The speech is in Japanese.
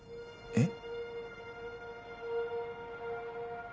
えっ？